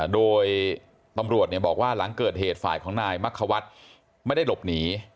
โดยตำรวจบอกว่าหลังเกิดเหตุฝ่ายของนายมักควัฒน์ไม่ได้หลบหนี